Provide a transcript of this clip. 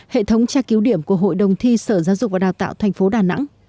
hệ thống tra cứu điểm của hội đồng thi sở giáo dục và đào tạo tp đà nẵng